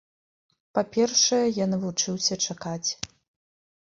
Па-першае, я навучыўся чакаць.